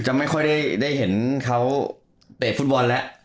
ไม่ค่อยได้เห็นเขาเตะฟุตบอลแล้ว